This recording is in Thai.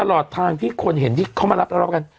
ตลอดทางที่คนเห็นที่เขามารับทะเลาะกัน